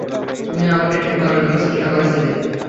তুমি আমাকে ঠিক করার চেষ্টা করেছিলে।